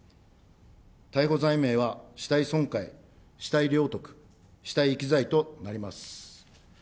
逮捕罪名は死体損壊、死体領得、死体遺棄罪となります。